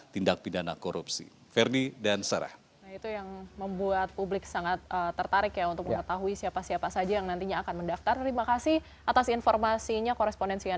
tindak pidana korupsi